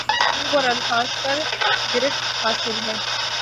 اسلوب اور الفاظ پر گرفت حاصل ہے